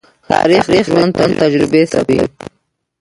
تاریخ د ژوند تجربې ثبتوي.